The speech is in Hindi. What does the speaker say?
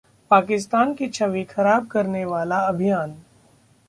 'पाकिस्तान की छवि खराब करने वाला अभियान'